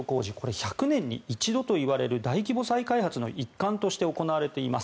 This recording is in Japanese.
１００年に一度といわれる大規模再開発の一環として行われています。